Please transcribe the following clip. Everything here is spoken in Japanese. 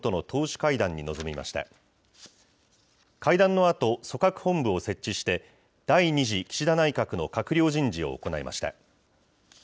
会談のあと、組閣本部を設置して、第２次岸田内閣の閣僚人事を行いました。